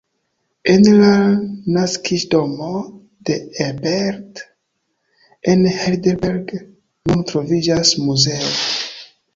En la naskiĝdomo de Ebert, en Heidelberg, nun troviĝas muzeo.